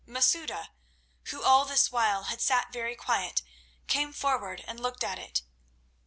Masouda, who all this while had sat very quiet, came forward and looked at it.